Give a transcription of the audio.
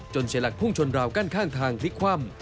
เสียหลักพุ่งชนราวกั้นข้างทางพลิกคว่ำ